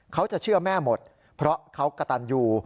เขาจะเชื่อแม่หมดเพราะเขากระตันอยู่